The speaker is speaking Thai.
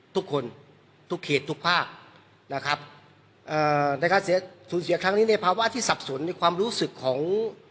ทุกคนทุกเขตทุกภาคนะครับอ่าในภาวะที่สับสนในความรู้สึกของ